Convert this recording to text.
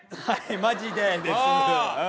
はいマジでです。